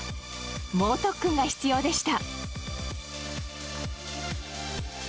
猛特訓が必要でした。